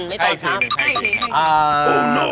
ไม่ต้องช้าพ